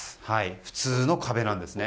普通の壁なんですね。